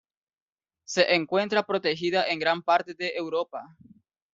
Se encuentra protegida en gran parte de Europa.